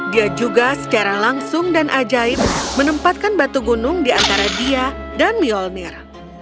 dia juga secara langsung dan ajaib menempatkan batu gunung di antara dia dan myolnir